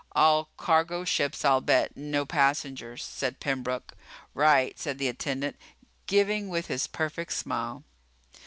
"All cargo ships, I'll bet. No passengers," said Pembroke. "Right," said the attendant, giving with his perfect smile.